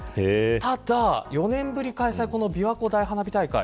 ただ４年ぶりの開催のびわ湖花火大会。